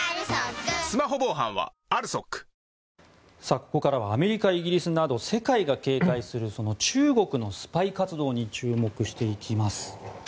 ここからはアメリカ、イギリスなど世界が警戒する中国のスパイ活動に注目していきます。